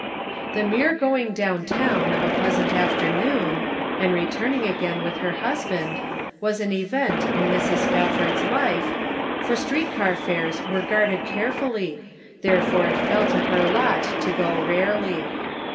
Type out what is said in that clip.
The mere going down town of a pleasant afternoon, and returning again with her husband, was an event in Mrs. Spafford's life, for street car fares were guarded care fully, therefore it fell to her lot to go rarely.